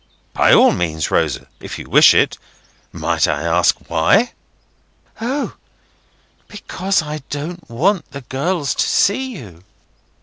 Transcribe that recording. "By all means, Rosa, if you wish it. Might I ask why?" "O! because I don't want the girls to see you."